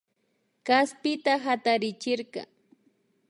Kaspita hatarichirka